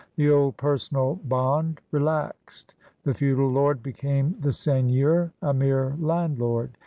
The old personal bond relaxed; the feudal lord became the seigneur, a mere landlord.